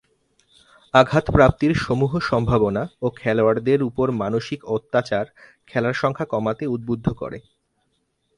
আঘাতপ্রাপ্তির সমূহ সম্ভাবনা ও খেলোয়াড়দের উপর মানসিক অত্যাচার খেলার সংখ্যা কমাতে উদ্বুদ্ধ করে।